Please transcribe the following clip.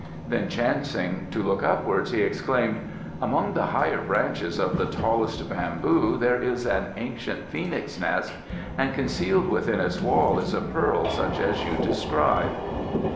Then chancing to look upwards, he exclaimed: "Among the higher branches of the tallest bamboo there is an ancient phoenix nest, and concealed within its wall is a pearl such as you describe."